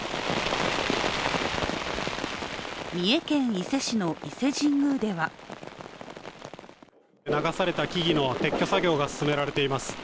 三重県伊勢市の伊勢神宮では流された木々の撤去作業が進められています。